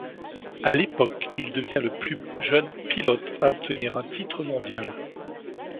À l'époque, il devient le plus jeune pilote à obtenir un titre mondial.